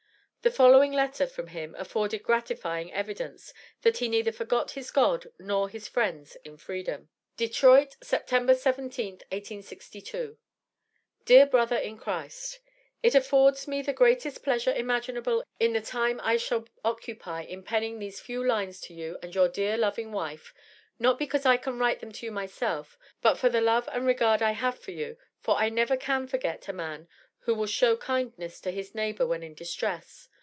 The following letter from him afforded gratifying evidence, that he neither forgot his God nor his friends in freedom: DETROIT, Sept. 17, 1862. DEAR BROTHER IN CHRIST It affords me the greatest pleasure imaginable in the time I shall occupy in penning these few lines to you and your dear loving wife, not because I can write them to you myself, but for the love and regard I have for you, for I never can forget a man who will show kindness to his neighbor when in distress.